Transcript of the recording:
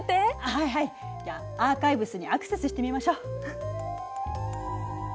はいはいじゃあアーカイブスにアクセスしてみましょう。